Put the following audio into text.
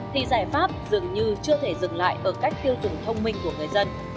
thì giải pháp dường như chưa thể dừng lại ở cách tiêu dùng thông minh của người dân